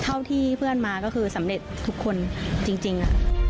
เท่าที่เพื่อนมาก็คือสำเร็จทุกคนจริงค่ะ